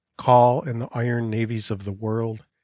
Call in the iron navies of the world.